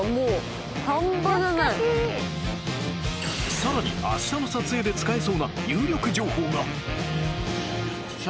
更に明日の撮影で使えそうな有力情報が